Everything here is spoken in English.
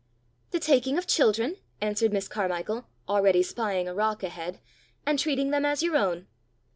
"The taking of children," answered Miss Carmichael, already spying a rock ahead, "and treating them as your own."